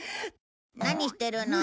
何してるの？